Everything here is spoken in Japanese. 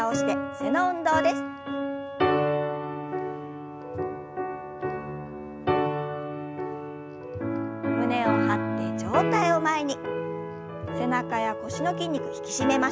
背中や腰の筋肉引き締めましょう。